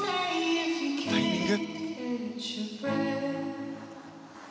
そのタイミング。